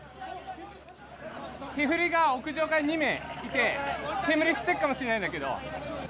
手振りが屋上から２名いて、煙吸ってるかもしれないんだけど。